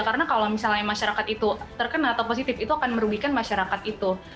karena kalau misalnya masyarakat itu terkena atau positif itu akan merugikan masyarakat itu